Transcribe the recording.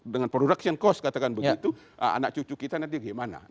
dengan production cost katakan begitu anak cucu kita nanti gimana